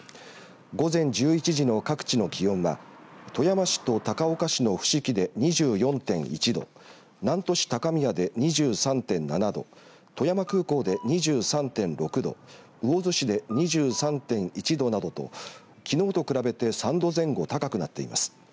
午前１１時の各地の気温は富山市と高岡市の伏木で２４．１度南砺市高宮で２３．７度富山空港で２３．６度魚津市で２３．１度などときのうと比べて３度前後高くなっています。